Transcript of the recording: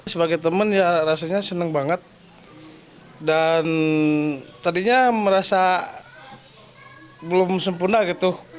sebagai teman ya rasanya senang banget dan tadinya merasa belum sempurna gitu